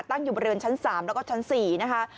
ตั้งอยู่บริเวณชั้น๓แล้วก็ชั้น๔นะคะ